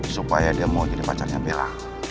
supaya dia mau jadi pacarnya bela